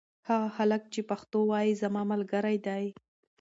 هغه هلک چې پښتو وايي زما ملګری دی.